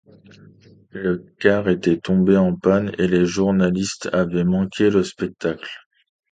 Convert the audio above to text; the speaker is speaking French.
Le car était tombé en panne et les journalistes avaient manqué le spectacle.